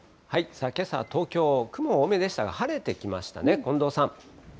けさ、東京、雲多めでしたが、晴れてきましたね。